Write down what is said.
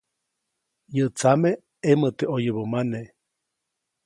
Yäʼ tsame ʼemoʼte ʼoyubä mane.